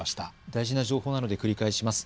大事の情報なので繰り返します。